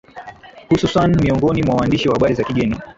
hususan miongoni mwa waandishi wa habari wa kigeni